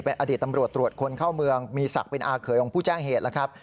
อดีตตำรวจตรวจคนเข้าเมืองมีศักดิ์เป็นอาเขยของผู้แจ้งเหตุแล้วครับ